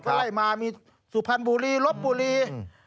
ก็ไล่มามีสุพรรณบุรีลบบุรี